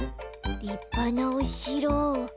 りっぱなおしろ。